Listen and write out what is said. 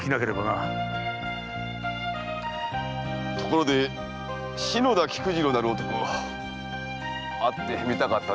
ところで篠田菊次郎なる男会ってみたかったですな。